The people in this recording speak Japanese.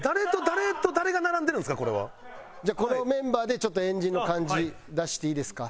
じゃあこのメンバーでちょっと円陣の感じ出していいですか？